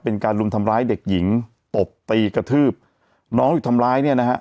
เป็นการรุมทำร้ายเด็กหญิงตบตีกระทืบน้องที่ทำร้ายเนี่ยนะฮะ